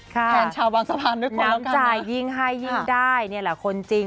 ค่ะน้ำจ่ายยิ่งให้ยิ่งได้นี่แหละคนจริง